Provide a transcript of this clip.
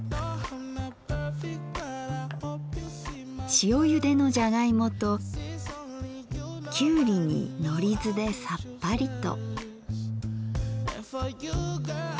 塩ゆでのじゃがいもときゅうりにのりずでさっぱりと。